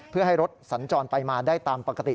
เพื่อให้รถสัญจรไปมาได้ตามปกติ